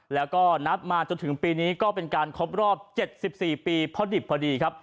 แล้วก็นับมาจนถึงปีนี้ก็เป็นการครบรอบ๗๔ปีพอดิบพอดีครับ